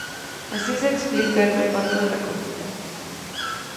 Así se explica el reparto de la comida.